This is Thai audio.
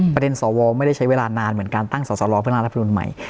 สวไม่ได้ใช้เวลานานเหมือนการตั้งสอสรเพื่อร่างรัฐมนุนใหม่